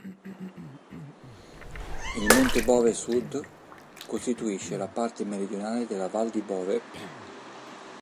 Il monte Bove Sud costituisce la parte meridionale della val di Bove.